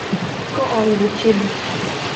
Quand arrive-t-il ?